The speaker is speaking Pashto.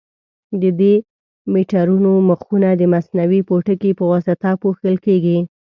د دې میټرونو مخونه د مصنوعي پوټکي په واسطه پوښل کېږي.